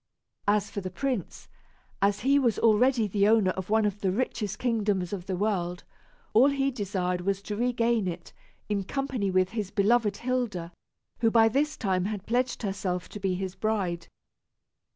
As for the prince, as he was already the owner of one of the richest kingdoms of the world, all he desired was to regain it, in company with his beloved Hilda, who by this time had pledged herself to be his bride.